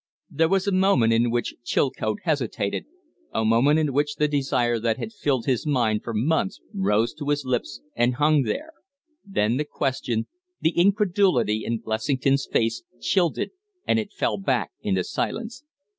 There was a moment in which Chilcote hesitated, a moment in which the desire that had filled his mind for months rose to his lips and hung there; then the question, the incredulity in Blessington's face, chilled it and it fell back into silence.